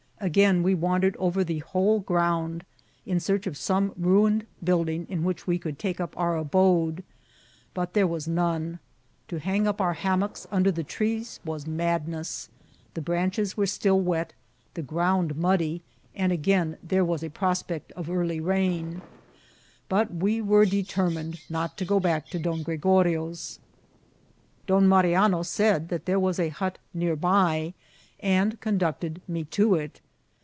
Again we wandered over the whole ground in search of some ruined building in n^ch we could take up our abode, but there was none. To hang up our hammocks under the trees was madness; the branches were still wet, tte ground muddy, and again there was a prospect of early rain ; but we were deter* mined not to go back to Don Gregorio's. Don Mari ano said that there was a hut near by, and conducted me to it.